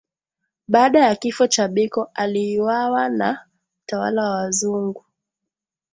Baada ya kifo cha Biko aliyuawa na utawala wa wazungu